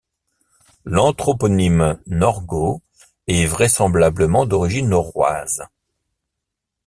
L'anthroponyme Norgot est vraisemblablement d'origine norroise.